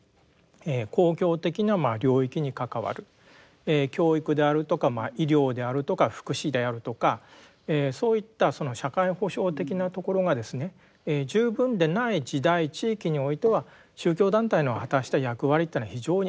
公共的な領域に関わる教育であるとかまあ医療であるとか福祉であるとかそういったその社会保障的なところが十分でない時代・地域においては宗教団体の果たした役割というのは非常にあったと思うんですね。